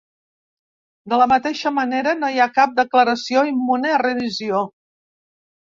De la mateixa manera, no hi ha cap declaració immune a revisió.